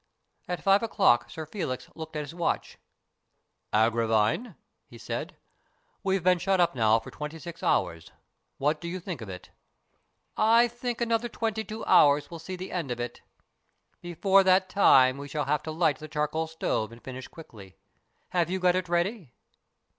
At five o'clock Sir Felix looked at his watch. " Agravine," he said, " we've been shut up now for twenty six hours. What d'you think of it ?"" I think another twenty two hours will see the end of it. Before that time we shall have to light the charcoal stove and finish quickly. Have you got it ready